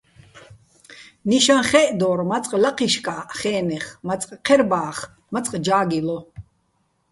ნიშაჼ ხე́ჸდორ მაწყ ლაჴიშკა́ჸ ხე́ნეხ, მაწყ ჴერბა́ხ, მაწყ ჯა́გილო.